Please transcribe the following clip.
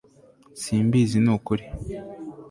simbizi nukuri